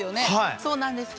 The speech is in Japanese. そうなんですか？